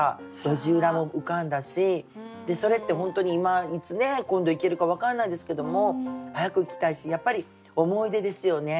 路地裏も浮かんだしそれって本当に今いつ今度行けるか分からないですけども早く行きたいしやっぱり思い出ですよね。